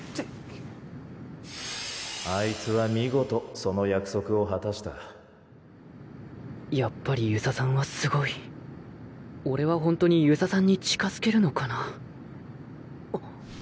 あいつは見事その約束を果たやっぱり遊佐さんはすごい俺はほんとに遊佐さんに近付けるのかな